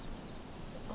あ。